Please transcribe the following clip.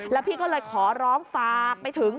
แล้วพี่ก็เลยขอร้องฝากไปถึง